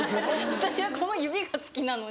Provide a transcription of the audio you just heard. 私はこの指が好きなのに。